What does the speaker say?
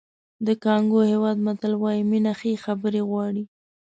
د کانګو هېواد متل وایي مینه ښې خبرې غواړي.